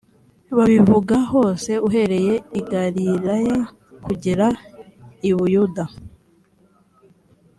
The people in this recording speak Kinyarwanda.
babivuga hose uhereye i galilaya kugera i buyuda